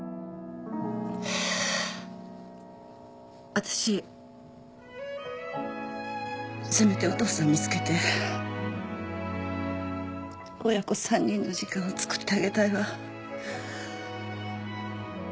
私せめてお父さん見つけて親子３人の時間をつくってあげたいわ。